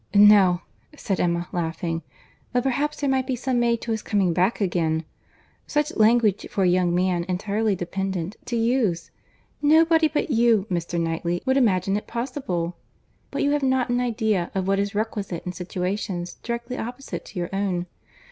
"No," said Emma, laughing; "but perhaps there might be some made to his coming back again. Such language for a young man entirely dependent, to use!—Nobody but you, Mr. Knightley, would imagine it possible. But you have not an idea of what is requisite in situations directly opposite to your own.